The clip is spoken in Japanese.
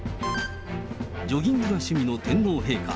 ジョギングが趣味の天皇陛下。